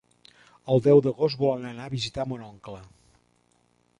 El deu d'agost volen anar a visitar mon oncle.